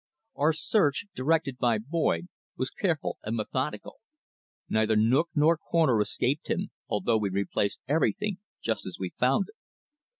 Our search, directed by Boyd, was careful and methodical; neither nook nor corner escaped him, although we replaced everything just as we found it.